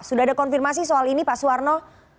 sudah ada konfirmasi soal ini pak suwarno